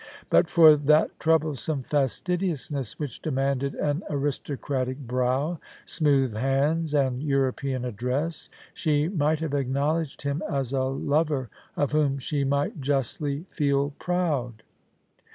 But for that Uoviblesorae fastidiousness which demanded an aristocratic brow, smooth hands, and European address, she might have acknowledged him as a lover of whom she might justly feel proud.